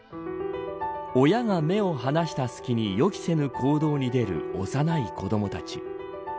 親が目を離した隙に予期せぬ行動に出る幼い子どもたち。